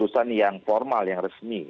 urusan yang formal yang resmi